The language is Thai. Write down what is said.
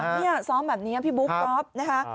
นี่ซ้อมแบบนี้พี่บุ๊คก๊อฟนะคะ